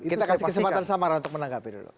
kita kasih kesempatan samara untuk menanggapi dulu